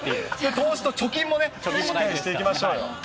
投資と貯金もね、しっかりしていきましょうよ。